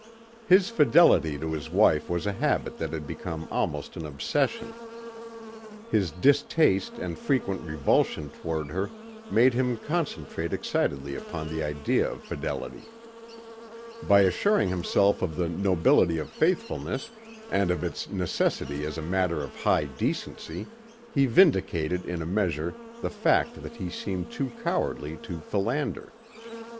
His fidelity to his wife was a habit that had become almost an obsession. His distaste and frequent revulsion toward her made him concentrate excitedly upon the idea of fidelity. By assuring himself of the nobility of faithfulness and of its necessity as a matter of high decency, he vindicated in a measure the fact that he seemed too cowardly to philander.